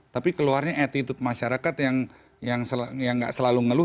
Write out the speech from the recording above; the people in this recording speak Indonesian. tapi keluarnya attitude masyarakat yang nggak selalu ngeluh